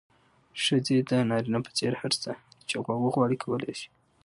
ښځې د نارينه په څېر هر هغه څه چې وغواړي، کولی يې شي.